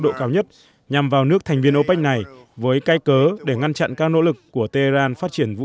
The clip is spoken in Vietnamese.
sản xuất nhằm vào nước thành viên opec này với cai cớ để ngăn chặn các nỗ lực của tehran phát triển vũ